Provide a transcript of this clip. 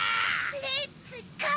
・レッツゴー！